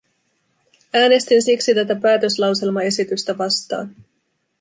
Äänestin siksi tätä päätöslauselmaesitystä vastaan.